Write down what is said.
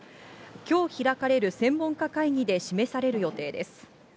きょう開かれる専門家会議で示される予定です。